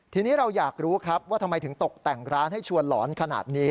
ทีนี้เราอยากรู้ครับว่าทำไมถึงตกแต่งร้านให้ชวนหลอนขนาดนี้